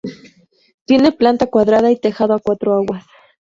Tiene planta cuadrada y tejado a cuatro aguas.